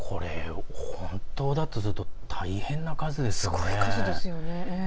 本当だとすると大変な数ですよね。